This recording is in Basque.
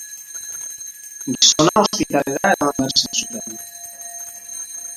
Gizona ospitalera eraman behar izan zuten.